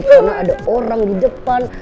karena ada orang di depan